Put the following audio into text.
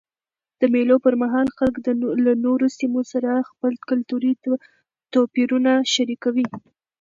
د مېلو پر مهال خلک له نورو سیمو سره خپل کلتوري توپیرونه شریکوي.